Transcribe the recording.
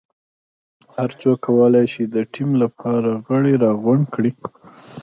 هر څوک کولای شي د ټیم لپاره غړي راغونډ کړي.